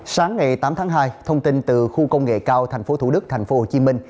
sáng ngày tám tháng hai thông tin từ khu công nghệ cao tp thủ đức tp hcm